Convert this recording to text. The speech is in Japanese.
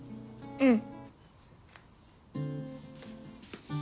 うん。